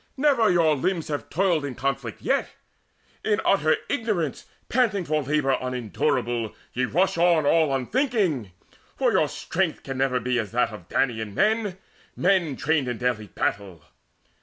Never your limbs have toiled In conflict yet. In utter ignorance Panting for labour unendurable, Ye rush on all unthinking; for your strength Can never be as that of Danaan men, Men trained in daily battle.